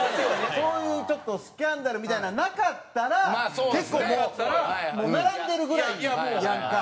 そういうちょっとスキャンダルみたいなのなかったら結構もう並んでるぐらいやんか。